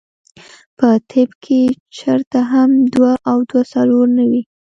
پۀ طب کښې چرته هم دوه او دوه څلور نۀ وي -